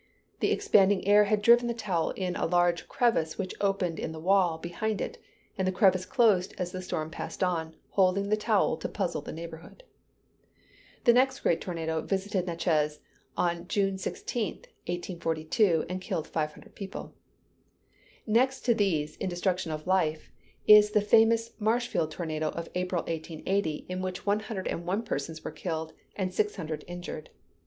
The expanding air had driven the towel in a large crevice which opened in the wall behind it; and the crevice closed as the storm passed on, holding the towel to puzzle the neighborhood. The next great tornado visited Natchez, June 16, 1842, and killed five hundred people. Next to these, in destruction of life, is the famous [Illustration: WATER SPOUT AT SEA.] Marshfield tornado of April, 1880, in which one hundred and one persons were killed, and six hundred injured.